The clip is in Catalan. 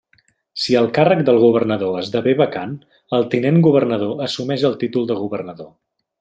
Si el càrrec del governador esdevé vacant, el tinent governador assumeix el títol de governador.